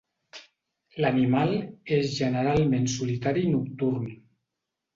L'animal és generalment solitari i nocturn.